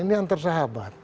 ini antar sahabat